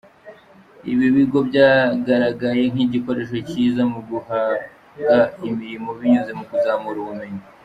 Ibi bigo byagaragaye nk’igikoresho cyiza mu guhaga imirimo binyuze mu kuzamura ubumenyi.